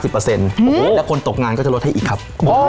แล้วคนตกงานก็จะลดให้อีกครับ